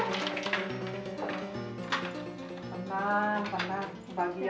bu sita tunggu bu sita